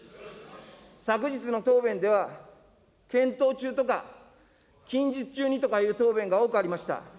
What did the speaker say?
昨日の答弁では、検討中とか近日中にとかいう答弁が多くありました。